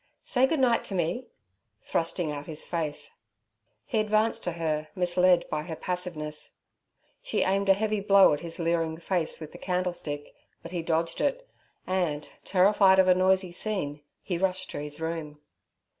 'Say good night to me' thrusting out his face. He advanced to her, misled by her passiveness. She aimed a heavy blow at his leering face with the candlestick, but he dodged it, and, terrified of a noisy scene, he rushed to his room.